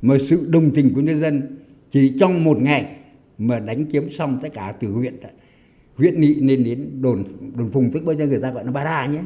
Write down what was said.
mời sự đồng tình của nhân dân chỉ trong một ngày mà đánh kiếm xong tất cả từ huyện huyện nị nên đến đồn phùng thức bởi nhân dân người ta gọi là ba đà nhé